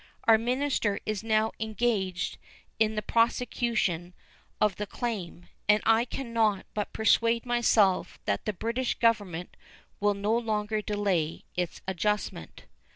Our minister is now engaged in the prosecution of the claim, and I can not but persuade myself that the British Government will no longer delay its adjustment.